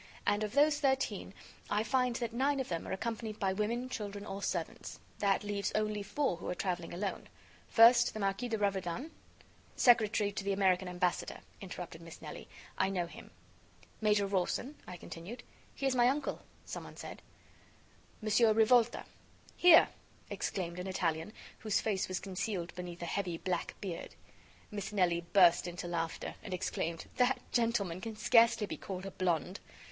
And of those thirteen, I find that nine of them are accompanied by women, children or servants. That leaves only four who are traveling alone. First, the Marquis de Raverdan " "Secretary to the American Ambassador," interrupted Miss Nelly. "I know him." "Major Rawson," I continued. "He is my uncle," some one said. "Mon. Rivolta." "Here!" exclaimed an Italian, whose face was concealed beneath a heavy black beard. Miss Nelly burst into laughter, and exclaimed: "That gentleman can scarcely be called a blonde."